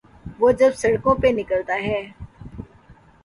وہ جب سڑکوں پہ نکلتا ہے۔